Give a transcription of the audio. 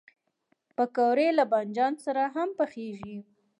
پکورې له بادنجان سره هم پخېږي